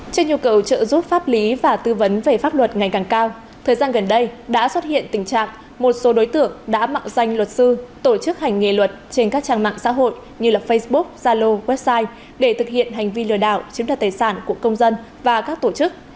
trên nhu cầu trợ giúp pháp lý và tư vấn về pháp luật ngày càng cao thời gian gần đây đã xuất hiện tình trạng một số đối tượng đã mạo danh luật sư tổ chức hành nghề luật trên các trang mạng xã hội như facebook zalo website để thực hiện hành vi lừa đảo chiếm đặt tài sản của công dân và các tổ chức